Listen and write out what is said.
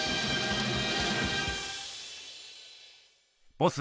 ボス